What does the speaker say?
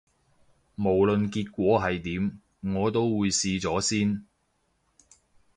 無論結果係點，我都會試咗先